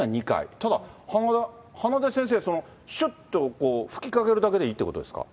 ただ、鼻で先生、しゅっと噴きかけるだけでいいってことですか。